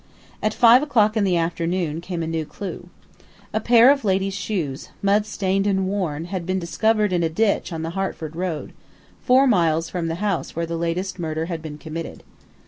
At five o'clock that afternoon came a new clue. A pair of ladies' shoes, mud stained and worn, had been discovered in a ditch on the Hertford road, four miles from the house where the latest murder had been committed.